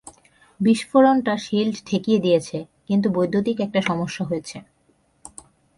বিস্ফোরণটা shield ঠেকিয়ে দিয়েছে, কিন্তু, বৈদ্যুতিক একটা সমস্যা হয়েছে।